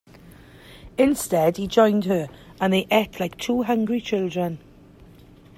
Instead, he joined her; and they ate like two hungry children.